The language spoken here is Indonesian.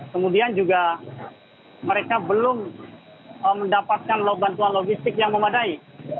kemudian juga mereka belum mendapatkan bantuan logistik yang memadai